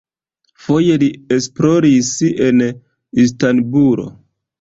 Foje li esploris en Istanbulo.